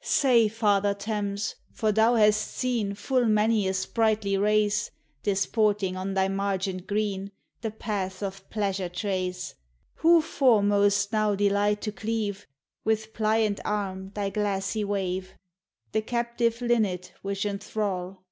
Say, Father Thames, for thou hast seen Full many a sprightly race, Disporting on thy margent green, The paths* of pleasure trace; Who foremost now delight to cleave, With pliant arm, thy glassy wave? The captive linnet which enthrall?